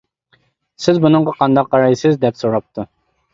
سىز بۇنىڭغا قانداق قارايسىز؟ -دەپ سوراپتۇ.